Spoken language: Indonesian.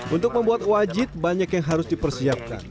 untuk membuat wajit banyak yang harus dipersiapkan